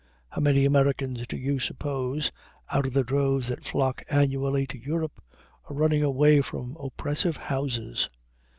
How many Americans, do you suppose, out of the droves that flock annually to Europe, are running away from oppressive houses?